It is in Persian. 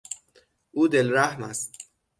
او دل رحم است.